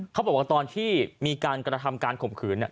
เขาบอกว่าตอนที่มีการกระทำการข่มขืน